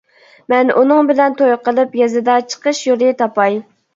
مەن ئۇنىڭ بىلەن توي قىلىپ يېزىدا چىقىش يولى تاپاي.